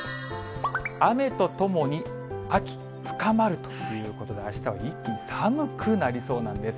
雨とともに秋深まるということで、あしたは一気に寒くなりそうなんです。